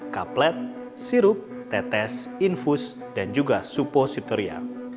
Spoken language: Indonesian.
kaplet sirup tetes infus dan juga supositoria